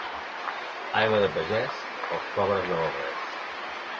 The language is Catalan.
Aigua de pagès, per als pobres no val res.